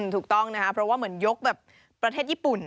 ถูกต้องนะครับเพราะว่าเหมือนยกแบบประเทศญี่ปุ่น